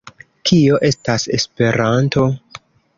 Kio estas Esperanto?